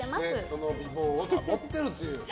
その美貌を保っていると。